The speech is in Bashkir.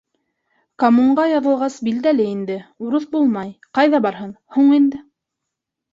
Комунға яҙылғас, билдәле инде, урыҫ булмай, ҡайҙа барһын, һуң инде.